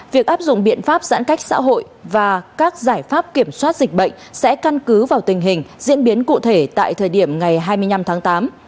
việc áp dụng biện pháp giãn cách xã hội và các giải pháp kiểm soát dịch bệnh sẽ căn cứ vào tình hình diễn biến cụ thể tại thời điểm ngày hai mươi năm tháng tám